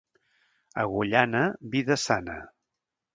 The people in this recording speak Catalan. Agullana, vida sana.